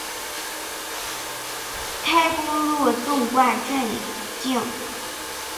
开公路纵贯镇境。